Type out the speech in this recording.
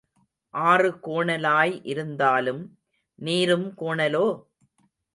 ஆறு கோணலாய் இருந்தாலும் நீரும் கோணலோ?